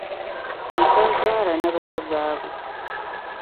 N suhu zɔhir’ ni bɛ ti gbaag o.